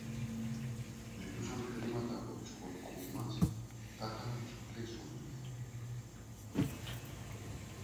Ζητούσαν χρήματα από τους χωρικούς μας, τάχα να τους οπλίσουν